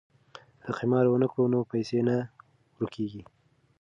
که قمار ونه کړو نو پیسې نه ورکيږي.